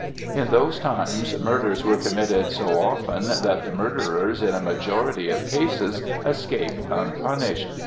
In those times murders were committed so often that the murderers in a majority of cases escaped unpunished.